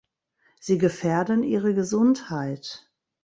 Sie gefährden Ihre Gesundheit!